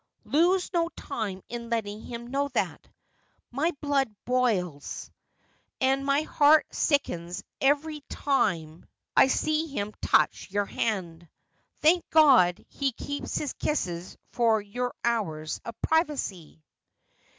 ' Lose no time in letting him know that. My blood boils 348 Asphodel. and my heart sickens every time I see him touch your hand. Thank G od, he keeps his kisses for your hours of privacy.'